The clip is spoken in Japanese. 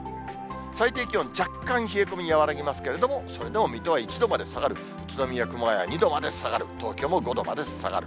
最低気温、若干冷え込み和らぎますけれども、それでも水戸は１度まで下がる、宇都宮、熊谷は２度まで下がる、東京も５度まで下がる。